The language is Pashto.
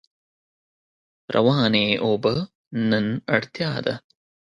روانې اوبه نن اړتیا ده.